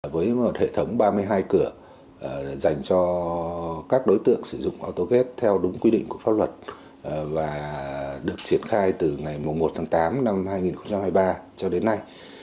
với một hệ thống ba mươi hai cửa dành cho các đối tượng sử dụng autogate theo đúng quy định của pháp luật và được triển khai từ ngày một tháng tám năm hai nghìn hai mươi ba cho đến nay